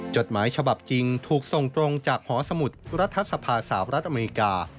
จดหมายฉบับจริงถูกส่งตรงจากหอสมุทรรัฐสภาสาวรัฐอเมริกา